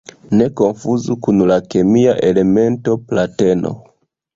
Ne konfuzu kun la kemia elemento plateno.